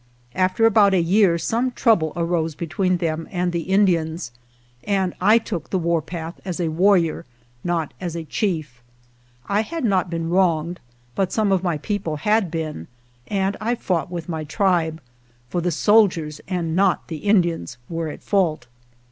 After about a year some trouble arose between them and the Indians, and I took the warpath as a warrior, not as a chief. 1 I had not been wronged, but some of my peo ple had been, and I fought with my tribe; for the soldiers and not the Indians were at fault.